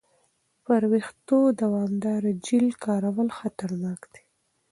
پر وېښتو دوامداره جیل کارول خطرناک دي.